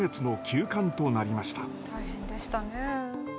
大変でしたね。